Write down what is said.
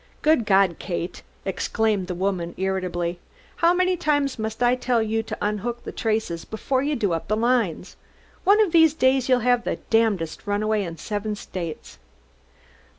"Good God, Kate," exclaimed the woman irritably; "how many times must I tell you to unhook the traces before you do up the lines? One of these days you'll have the damnedest runaway in seven states."